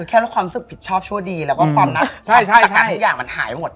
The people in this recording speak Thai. คือแค่รู้ความศึกผิดชอบชั่วดีแล้วก็ความน่าการทุกอย่างมันหายหมด